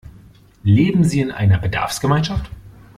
Leben Sie in einer Bedarfsgemeinschaft?